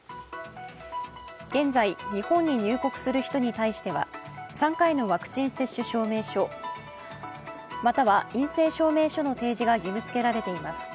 現在、日本に入国する人に対しては３回のワクチン接種証明書または陰性証明書の提示が義務づけられています。